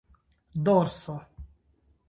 dorso